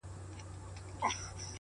څوک وایي دا ښه ده